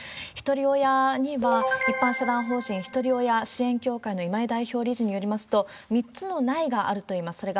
ひとり親には、一般社団法人ひとり親支援協会の今井代表理事によりますと、３つのないがあるといいます。